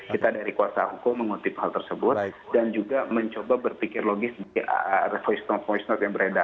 kita dari kuasa hukum mengutip hal tersebut dan juga mencoba berpikir logis di voice not voice note yang beredar